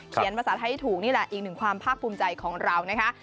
ภาษาไทยถูกนี่แหละอีกหนึ่งความภาคภูมิใจของเรานะคะ